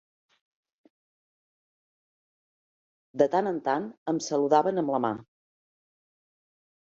De tant en tant em saludaven amb la mà